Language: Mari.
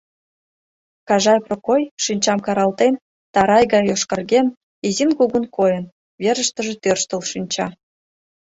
Кажай Прокой, шинчам каралтен, тарай гай йошкарген, изин-кугун койын, верыштыже тӧрштыл шинча.